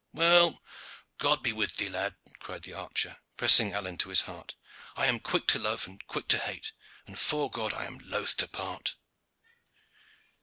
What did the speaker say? "Well, God be with thee, lad!" cried the archer, pressing Alleyne to his heart. "I am quick to love, and quick to hate and 'fore God I am loth to part."